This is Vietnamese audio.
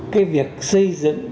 cái việc xây dựng